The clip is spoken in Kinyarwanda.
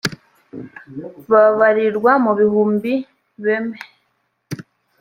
babarirwa mu bihumbi beme